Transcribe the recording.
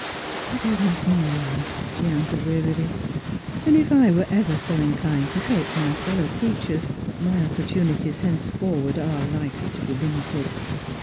" It is not in me," she answered wearily. " And if I were ever so inchned to help my fellow creatures, my opportunities henceforward are likely to be limited.